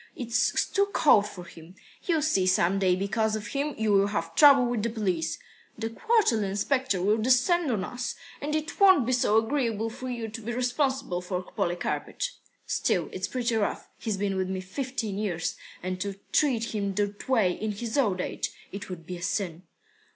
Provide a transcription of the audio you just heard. It's too cold for him. You'll see, some day, because of him, you will have trouble with the police. The quarterly inspector will descend on us, and it won't be so agreeable for you to be responsible for Polikarpych." "Still, it's pretty rough. He's been with me fifteen years. And to treat him that way in his old age it would be a sin."